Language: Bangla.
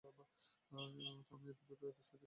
আমি এত দ্রুত এবং এত সহজে কোনো সিদ্ধান্তে আসি না।